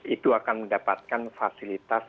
itu akan mendapatkan fasilitas